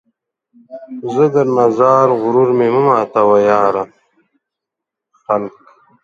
زه درنه ځار ، غرور مې مه ماتوه ، یاره ! خلک